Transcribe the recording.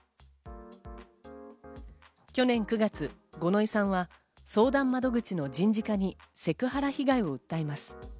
去年９月、五ノ井さんは相談窓口の人事課にセクハラ被害を訴えます。